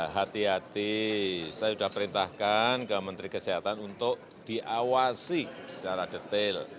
hati hati saya sudah perintahkan ke menteri kesehatan untuk diawasi secara detail